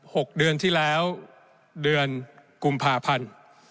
หกเดือนที่แล้วเดือนกุมภาพันธ์